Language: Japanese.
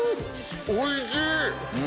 おいしい！